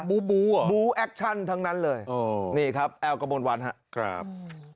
บูบูอ่ะบูแอคชั่นทั้งนั้นเลยอ๋อนี่ครับแอลกระมวลวันครับ